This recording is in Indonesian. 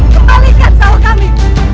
kembalikan salah kami